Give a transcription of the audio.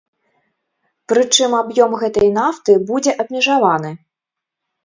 Прычым аб'ём гэтай нафты будзе абмежаваны.